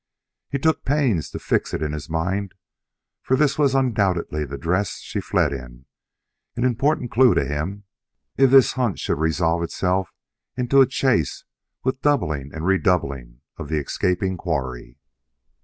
He took pains to fix it in his mind, for this was undoubtedly the dress she fled in an important clue to him, if this hunt should resolve itself into a chase with doubling and redoubling of the escaping quarry.